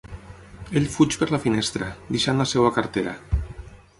Ell fuig per la finestra, deixant la seva cartera.